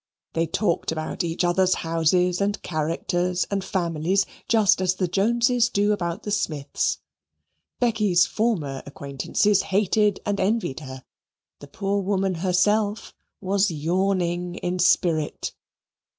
They talked about each others' houses, and characters, and families just as the Joneses do about the Smiths. Becky's former acquaintances hated and envied her; the poor woman herself was yawning in spirit.